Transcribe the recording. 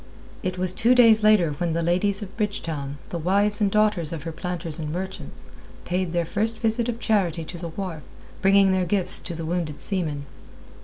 It was two days later when the ladies of Bridgetown, the wives and daughters of her planters and merchants, paid their first visit of charity to the wharf, bringing their gifts to the wounded seamen.